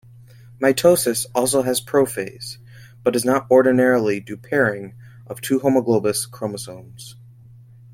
Mitosis also has prophase, but does not ordinarily do pairing of two homologous chromosomes.